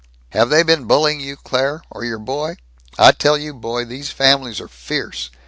Have they been bullying you, Claire? Or your boy? I tell you, boy, these families are fierce.